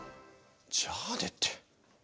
じゃあねって。